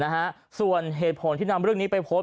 นะฮะส่วนเหตุผลที่นำเรื่องนี้ไปโพสต์